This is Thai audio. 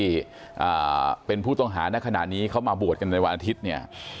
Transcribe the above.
ที่เป็นผู้ต้องหาในขณะนี้เขามาบวชกันในวันอาทิตย์เนี่ย